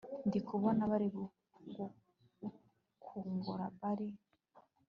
ndikubona bari kungora bari